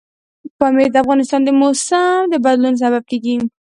پامیر د افغانستان د موسم د بدلون سبب کېږي.